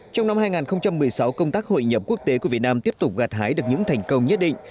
trong năm hai nghìn một mươi sáu công tác hội nhập quốc tế của việt nam tiếp tục gạt hái được những thành công nhất định